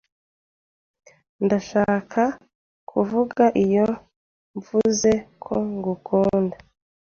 Ndashaka kuvuga iyo mvuze ko ngukunda.